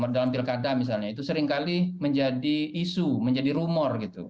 dalam pilkada misalnya itu seringkali menjadi isu menjadi rumor gitu